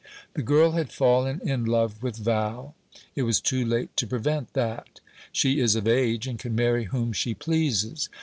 "The girl had fallen in love with Val. It was too late to prevent that. She is of age, and can marry whom she pleases.